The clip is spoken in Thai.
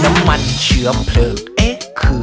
น้ำมันเชื้อเพลิงเอ๊ะคือ